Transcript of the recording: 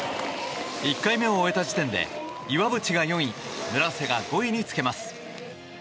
１回目を終えた時点で岩渕が４位村瀬が５位につけます。